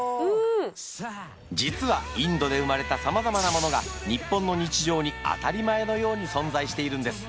実はインドで生まれたさまざまなものが日本の日常に当たり前のように存在しているんです。